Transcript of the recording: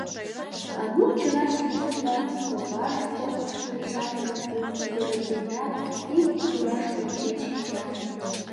Анук чыла шижын да, копажым кормыжтышаш гай кугыртенат, ик тураш ончен шинча...